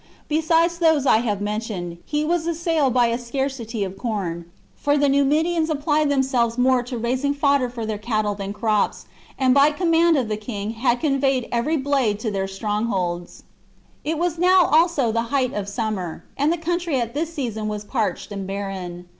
Besides those I have mentioned, he was assailed by a scarcity of corn ; for the Numidians apply themselves more to raising fodder for their cattle than crops, and by command of the king had conveyed every blade to xc. XCI. THE JUGURTHINE WAR. 221 their strongholds ; it was now, also, the height of sum chap. mer, and the country at this season was parched and barren.